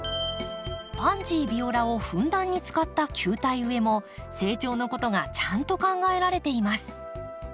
パンジー・ビオラをふんだんに使った球体植えも成長のことがちゃんと考えられています。